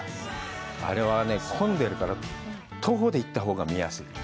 あれはね、混んでるから徒歩で行ったほうが見やすい。